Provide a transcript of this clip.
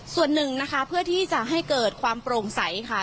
ส่วนหนึ่งนะคะเพื่อที่จะให้เกิดความโปร่งใสค่ะ